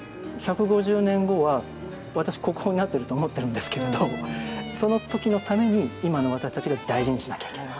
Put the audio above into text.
１５０年後は私国宝になってると思ってるんですけれどその時のために今の私たちが大事にしなきゃいけない。